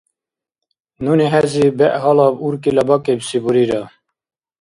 Нуни хӀези бегӀ гьалаб уркӀила бакӀибси бурира.